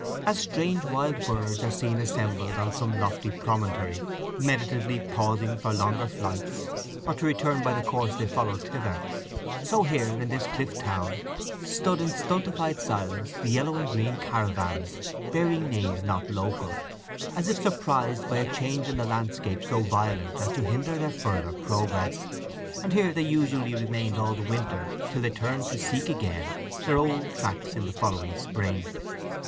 As strange wild birds are seen assembled on some lofty promontory, meditatively pausing for longer flights, or to return by the course they followed thither, so here, in this cliff town, stood in stultified silence the yellow and green caravans bearing names not local, as if surprised by a change in the landscape so violent as to hinder their further progress; and here they usually remained all the winter till they turned to seek again their old tracks in the following spring.